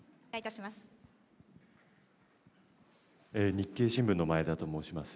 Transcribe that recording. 日経新聞の前田と申します。